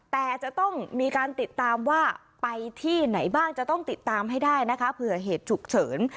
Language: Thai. แต่จะต้องมีการติดตามว่าไปที่ไหนบ้างจะต้องติดตามให้ได้นะคะเผื่อเหตุฉุกเฉิน